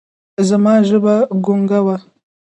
زما ژبه ګونګه وه ـ